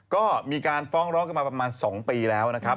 ก็มีการฟ้องร้องกันมาประมาณ๒ปีแล้วนะครับ